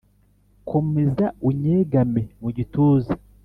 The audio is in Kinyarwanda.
Komeza unyegame mu gituza,